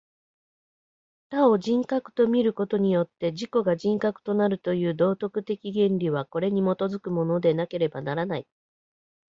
他を人格と見ることによって自己が人格となるという道徳的原理は、これに基づくものでなければならない。